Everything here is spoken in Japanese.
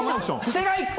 正解！